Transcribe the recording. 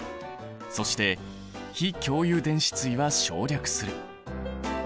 そして非共有電子対は省略する。